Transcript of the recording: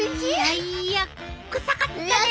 いやいやくさかったね。